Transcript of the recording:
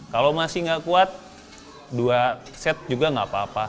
kalau masih nggak kuat dua set juga nggak apa apa